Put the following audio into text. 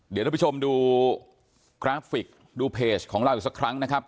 เดี๋ยวทุกคนดูกราฟฟิกส์ดูเพจของเราอีกสักครั้ง